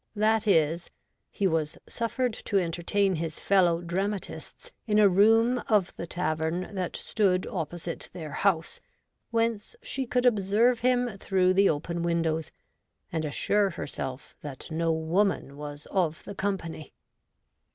That is, he was suffered to entertain his fellow dramatists in a room of the tavern that stood opposite their house, whence she could observe him through the open v.'indows, and assure herself that no woman was of the company.